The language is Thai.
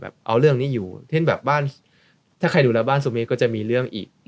เอาเรื่องนี้อยู่เช่นแบบบ้านถ้าใครดูแลบ้านสุเมฆก็จะมีเรื่องอีก